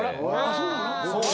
そうなの？